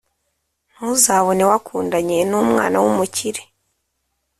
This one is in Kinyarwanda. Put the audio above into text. Ntuzabone wakundanye numwana wumukire